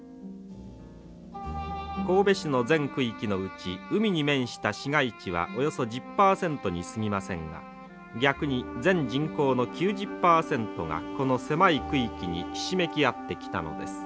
神戸市の全区域のうち海に面した市街地はおよそ１０％にすぎませんが逆に全人口の９０％がこの狭い区域にひしめき合ってきたのです。